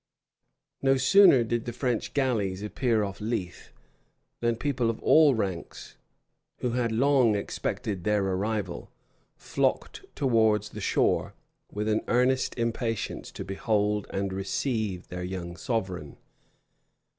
No sooner did the French galleys appear off Leith, than people of all ranks, who had long expected their arrival, flocked towards the shore with an earnest impatience to behold and receive their young sovereign.